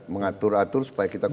mengatur atur supaya kita